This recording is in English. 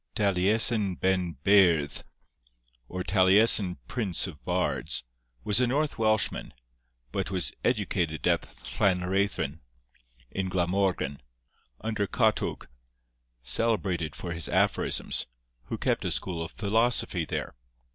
Taliesin Ben Beirdd, or Taliesin Prince of Bards, was a North Welshman, but was educated at Llanreithin, in Glamorgan, under Catwg, celebrated for his aphorisms, who kept a school of philosophy there.